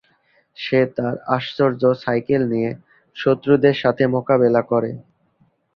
সে তার আশ্চর্য সাইকেল নিয়ে শত্রুদের সাথে মোকাবেলা করে।